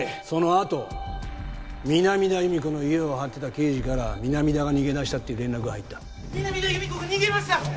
そのあと南田弓子の家を張ってた刑事から南田が逃げ出したっていう連絡が入った南田弓子が逃げました！